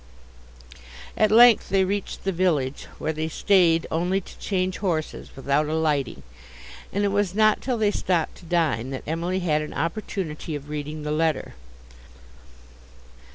At length they reached the village, where they staid only to change horses, without alighting, and it was not till they stopped to dine, that Emily had an opportunity of reading the letter.